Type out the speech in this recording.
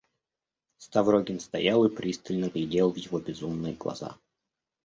Ставрогин стоял и пристально глядел в его безумные глаза.